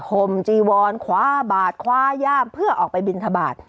ห่มจีวอนคว้าบาทคว้าย่ามเพื่อออกไปบินทบาท